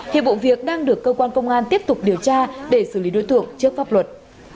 hiệp vụ việc đang được cơ quan công an tiếp tục điều tra để xử lý đối tượng trước pháp luật